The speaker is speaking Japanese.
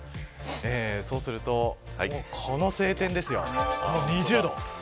そうするとこの晴天ですよ。